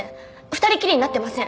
２人きりになってません！